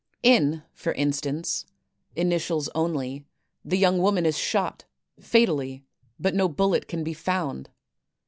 In, for instance, "Initials Only," the young woman is shot, fatally, but no bullet can be found.